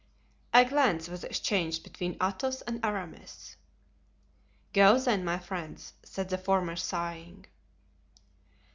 A glance was exchanged between Athos and Aramis. "Go, then, my friends," said the former, sighing.